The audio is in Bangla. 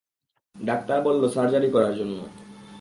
ডাক্তার বলল সার্জারি করার জন্য।